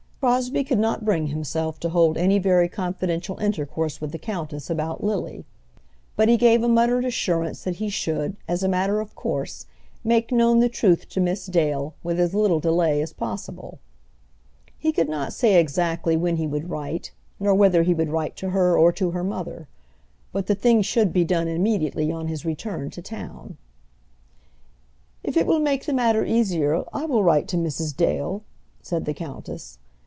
Crosbie could not bring himself to hold any very confidential intercourse with the countess about Lily; but he gave a muttered assurance that he should, as a matter of course, make known the truth to Miss Dale with as little delay as possible. He could not say exactly when he would write, nor whether he would write to her or to her mother; but the thing should be done immediately on his return to town. "If it will make the matter easier, I will write to Mrs. Dale," said the countess.